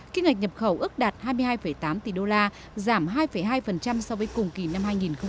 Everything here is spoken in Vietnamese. kinh ngạch nhập khẩu ước đạt hai mươi hai tám tỷ đô la giảm hai hai so với cùng kỳ năm hai nghìn một mươi chín